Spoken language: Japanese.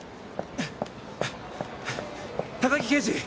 高木刑事！